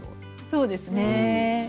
そうですね。